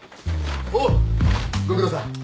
おうご苦労さん。